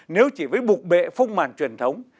nếu chỉ với bục bệ phong màn truyền thống